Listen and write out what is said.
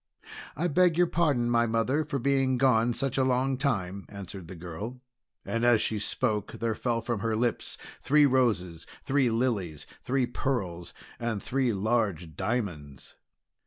"I beg your pardon, my mother, for being gone such a long time," answered the girl. And as she spoke there fell from her lips three roses, three lilies, three pearls, and three large diamonds.